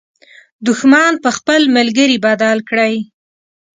دښمن په خپل ملګري بدل کړئ.